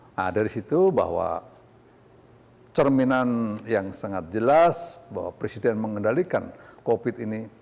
nah dari situ bahwa cerminan yang sangat jelas bahwa presiden mengendalikan covid ini